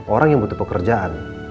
orang yang butuh pekerjaan